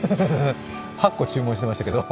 ８個注文してましたけど。